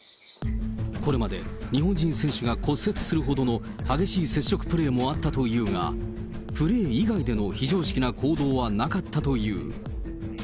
これまで日本人選手が骨折するほどの激しい接触プレーもあったというが、プレー以外での非常識な行動はなかったという。